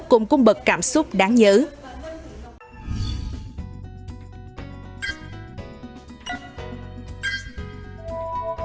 cùng cung bật cảm xúc đáng nhớ